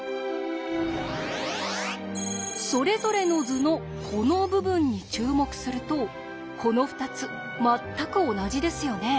それぞれの図のこの部分に注目するとこの２つ全く同じですよね。